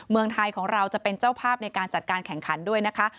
เมืองไทยของเราจะเป็นเจ้าภาพในการจัดการแข่งขันด้วยนะคะ